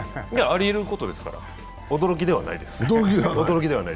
ありえることですから、驚きではないです。